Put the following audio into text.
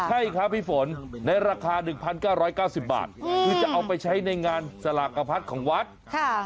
ใช่ครับพี่ฝนในราคาหนึ่งพันเก้าร้อยเก้าสิบบาทอืมคือจะเอาไปใช้ในงานสลากภัทรของวัดค่ะ